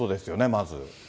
まず。